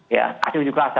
ya asli unjuk rasa